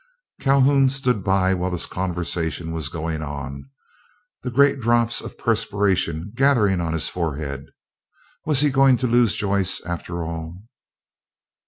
Calhoun stood by while this conversation was going on, the great drops of perspiration gathering on his forehead. Was he going to lose Joyce after all?